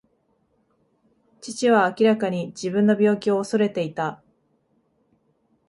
父は明らかに自分の病気を恐れていた。